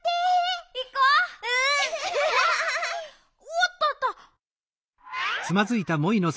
おっとっと。